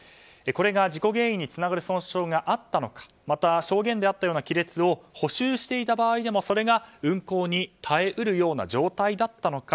事故原因につながる損傷があったのかまたは証言であったような亀裂を補修していた場合でもそれが運航に耐えうるような状態だったのか。